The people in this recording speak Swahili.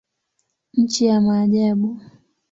Nchi ya maajabu.